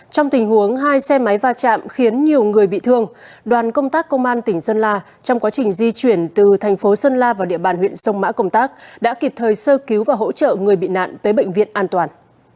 trong tình huống hai xe máy va chạm khiến nhiều người bị thương đoàn công tác công an tỉnh sơn la trong quá trình di chuyển từ thành phố sơn la vào địa bàn huyện sông mã công tác đã kịp thời sơ cứu và hỗ trợ người bị nạn tới bệnh viện an toàn